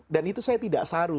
itu saya tidak saru